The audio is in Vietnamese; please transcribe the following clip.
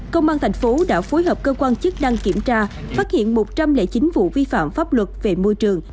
công an thành phố đã phối hợp cơ quan chức năng kiểm tra phát hiện một trăm linh chín vụ vi phạm pháp luật về môi trường